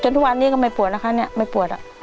นี่ก็ไม่ปวดนะคะเนี่ยไม่ปวดอ่ะ